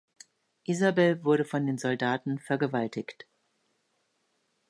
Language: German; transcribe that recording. Isabel wurde von den Soldaten vergewaltigt.